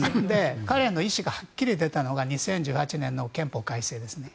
彼の意思がはっきり出たのが２０１８年の憲法改正ですね。